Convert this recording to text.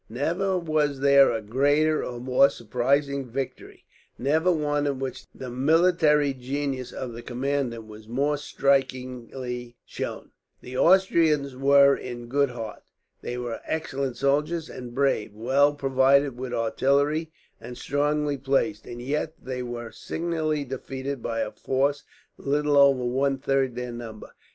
Never was there a greater or more surprising victory, never one in which the military genius of the commander was more strikingly shown. The Austrians were in good heart. They were excellent soldiers and brave, well provided with artillery, and strongly placed; and yet they were signally defeated by a force little over one third their number.